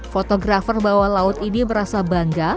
fotografer bawah laut ini merasa bangga